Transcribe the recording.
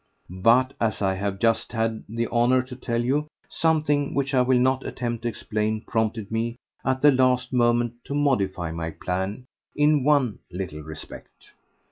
But, as I have just had the honour to tell you, something which I will not attempt to explain prompted me at the last moment to modify my plan in one little respect.